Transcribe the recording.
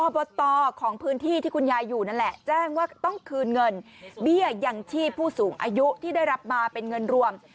บตของพื้นที่ที่คุณยายอยู่นั่นแหละแจ้งว่าต้องคืนเงินเบี้ยยังชีพผู้สูงอายุที่ได้รับมาเป็นเงินรวม